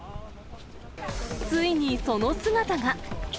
ついにその姿が。